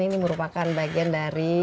ini merupakan bagian dari